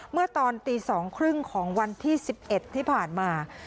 เมื่อตอนตีสองครึ่งของวันที่๑๑ที่ผ่านมา